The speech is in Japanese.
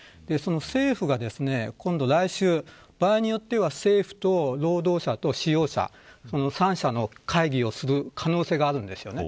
政府が来週、場合によっては政府と労働者と使用者三者の会議をする可能性があるんですよね。